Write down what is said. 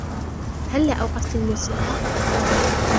هلا أوقفت الموسيقى.